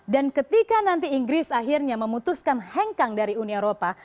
dan ketika nanti inggris akhirnya memutuskan hengkang dari uni eropa